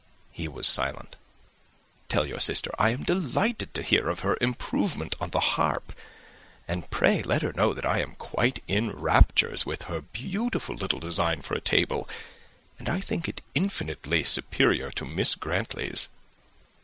He was silent. "Tell your sister I am delighted to hear of her improvement on the harp, and pray let her know that I am quite in raptures with her beautiful little design for a table, and I think it infinitely superior to Miss Grantley's."